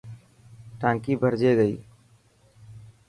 ٽانڪي ڀرجي گئي.